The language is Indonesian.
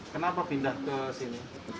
kenapa pindah ke sini